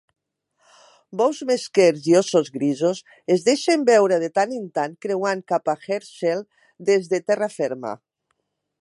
Bous mesquers i óssos grisos es deixen veure de tant en tant, creuant cap a Herschel des de terra ferma.